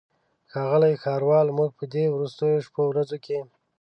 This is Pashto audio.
ښاغلی ښاروال موږ په دې وروستیو شپو ورځو کې.